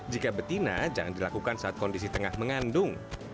jika betina jangan dilakukan saat kondisi tengah mengandung